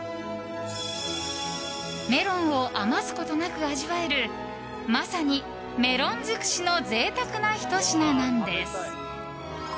メロンを余すことなく味わえるまさにメロン尽くしの贅沢なひと品なんです。